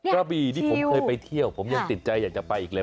กระบี่นี่ผมเคยไปเที่ยวผมยังติดใจอยากจะไปอีกเลย